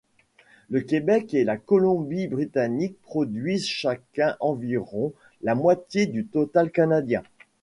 Le Québec et la Colombie-Britannique produisent chacun environ la moitié du total canadien.